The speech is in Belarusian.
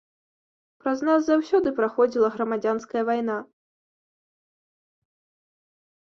Праз нас заўсёды праходзіла грамадзянская вайна.